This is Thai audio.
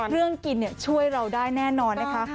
เรื่องกินช่วยเราได้แน่นอนนะคะ